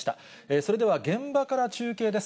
それでは、現場から中継です。